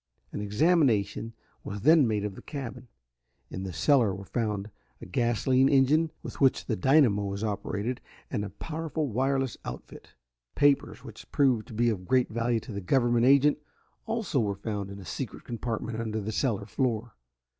An examination was then made of the cabin. In the cellar were found a gasoline engine with which the dynamo was operated, and a powerful wireless outfit. Papers which proved to be of great value to the government agent also were found in a secret compartment under the cellar floor.